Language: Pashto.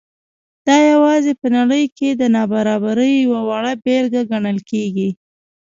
دا یوازې په نړۍ کې د نابرابرۍ یوه وړه بېلګه ګڼل کېږي.